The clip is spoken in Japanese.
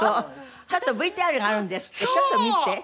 ちょっとＶＴＲがあるんですってちょっと見て。